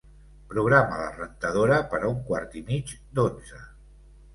Programa la rentadora per a un quart i mig d'onze.